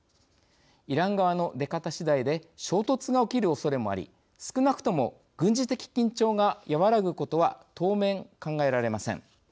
イラン側の出方しだいで衝突が起きるおそれもあり少なくとも軍事的緊張が和らぐことは当面、考えられません。